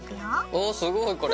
おすごいこれ！